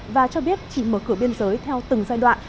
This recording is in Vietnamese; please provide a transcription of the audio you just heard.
và cho biết chỉ mở cửa biên giới theo từng giai đoạn